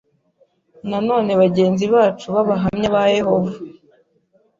Nanone bagenzi bacu b’Abahamya ba Yehova